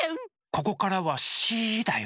ここからはシーだよ。